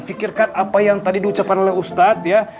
pikirkan apa yang tadi diucapkan oleh ustadz ya